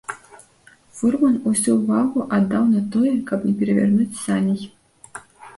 Фурман усю ўвагу аддаў на тое, каб не перавярнуць саней.